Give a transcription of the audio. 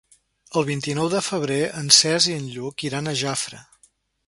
El vint-i-nou de febrer en Cesc i en Lluc iran a Jafre.